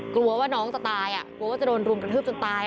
กลัวว่าน้องจะตายกลัวว่าจะโดนรุมกระทืบจนตาย